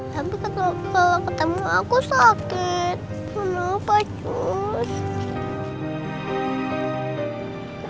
tapi kalau ketemu aku sakit kenapa cuy